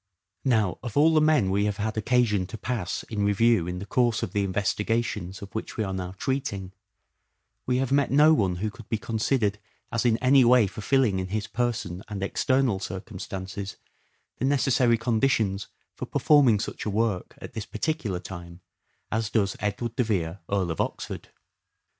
Now of all the men we have had occasion to pass The work in review in the course of the investigations of which and the man' we are now treating, we have met no one who could be considered as in any way fulfilling in his person and external circumstances the necessary conditions for performing such a work at this particular time as does Edward de Vere, Earl of Oxford.